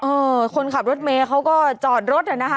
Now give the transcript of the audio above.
เออคนขับรถเมย์เขาก็จอดรถนะฮะ